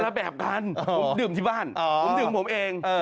คนละแบบกันดื่มที่บ้านดื่มผมเอง